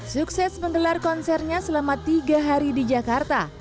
sukses menggelar konsernya selama tiga hari di jakarta